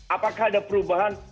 apakah ada perubahan